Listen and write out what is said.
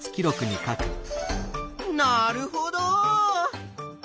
なるほど。